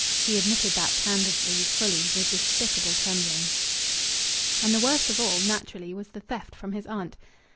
He admitted that candidly, fully, with despicable tremblings.... And the worst of all, naturally, was the theft from his aunt.